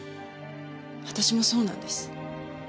私もそうなんです。